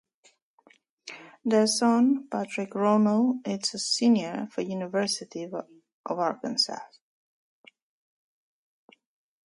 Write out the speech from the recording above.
Their son Patrick Rono is a senior for University of Arkansas.